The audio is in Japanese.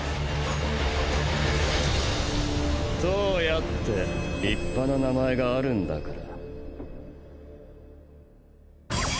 燈矢って立派な名前があるんだから。